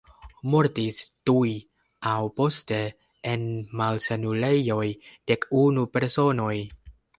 Mortis tuj aŭ poste en malsanulejoj dek-unu personoj.